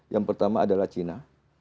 yang pertama adalah china